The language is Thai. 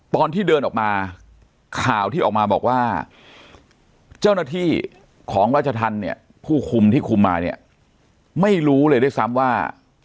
ตอนที่เดินออกมาข่าวที่ออกมาบอกว่าเจ้าหน้าที่ของราชธรรมเนี่ยผู้คุมที่คุมมาเนี่ยไม่รู้เลยด้วยซ้ำว่า